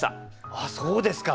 あっそうですか。